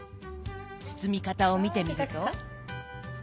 包み方を見てみると。